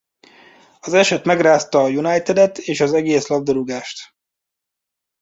Az eset megrázta a Unitedet és az egész labdarúgást.